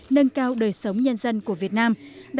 nâng cao đời sống nhân dân của việt nam